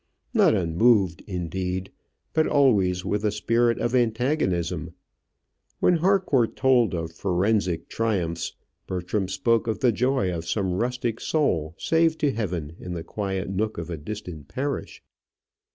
Not unmoved, indeed, but always with a spirit of antagonism. When Harcourt told of forensic triumphs, Bertram spoke of the joy of some rustic soul saved to heaven in the quiet nook of a distant parish.